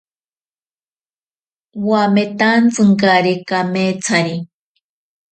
Wametantsinkari kametsari.